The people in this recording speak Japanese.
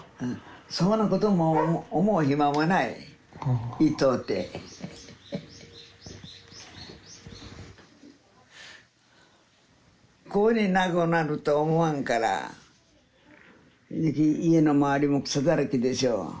そがなことも思う暇もない痛うてこうに長うなると思わんからじゃけ家の周りも草だらけでしょう